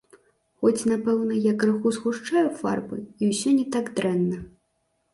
Хоць, напэўна, я крыху згушчаю фарбы, і ўсё не так дрэнна.